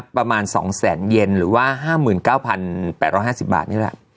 ประมาณ๒แสนเย็นหรือว่า๕๙๘๕๐บาทนี่แหละ